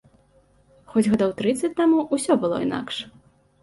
Хоць гадоў трыццаць таму ўсё было інакш.